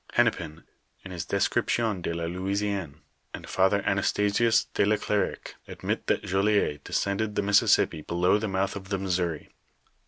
Hennepin, in his Description de la Louisiane, (p. 13), and F. Anastasius in Le Clercq (p. 364), admit that Jolliet descended the Mississippi below the mouth of the Missouri.